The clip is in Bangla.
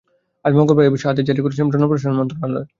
আজ মঙ্গলবার এ বিষয়ে আদেশ জারি করেছে জনপ্রশাসন মন্ত্রণালয়।